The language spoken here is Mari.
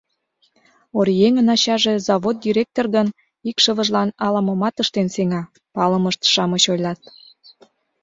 «Оръеҥын ачаже завод директор гын, икшывыжлан ала-момат ыштен сеҥа», — палымышт-шамыч ойлат.